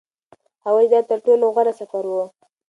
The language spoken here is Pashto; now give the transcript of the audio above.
هغه وویل چې دا تر ټولو غوره سفر و.